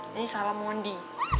ini salah mondi